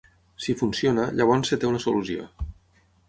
Si funciona, llavors es té una solució.